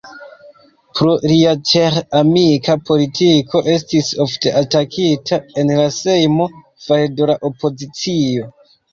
Pro lia ĉeĥ-amika politiko estis ofte atakita en la sejmo, fare de la opozicio.